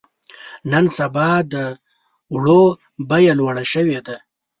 نن سبا د وړو بيه لوړه شوې ده.